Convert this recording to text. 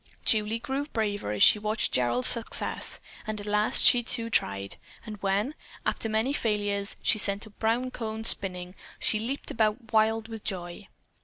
Julie grew braver as she watched Gerald's success, and at last she too tried, and when, after many failures, she sent a brown cone spinning, she leaped about wild with joy.